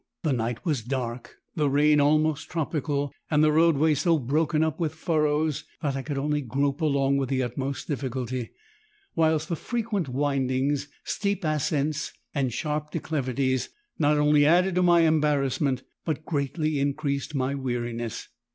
The night was dark, the rain almost tropical, and the roadway so broken up with furrows that I could only grope along with the utmost difficulty; whilst the frequent windings, steep ascents, and sharp declivities not only added to my embarrassment, but greatly increased my weariness.